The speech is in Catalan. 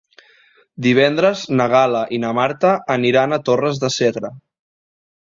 Divendres na Gal·la i na Marta aniran a Torres de Segre.